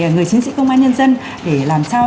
người chiến sĩ công an nhân dân để làm sao